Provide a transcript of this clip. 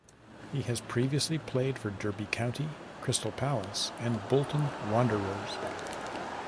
He has previously played for Derby County, Crystal Palace and Bolton Wanderers.